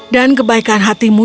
dan kebaikan hatimu